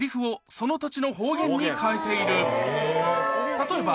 例えば